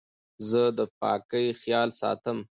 زه د پاکۍ خیال ساتم.